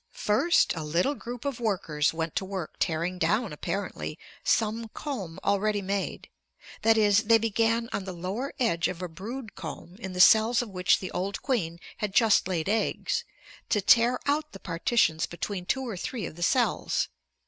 First, a little group of workers went to work tearing down, apparently, some comb already made; that is, they began on the lower edge of a brood comb, in the cells of which the old queen had just laid eggs, to tear out the partitions between two or three of the cells.